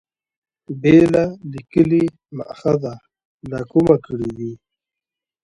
بېله لیکلي مأخذه له کومه کړي دي.